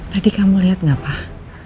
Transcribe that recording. tadi kamu lihat gak pak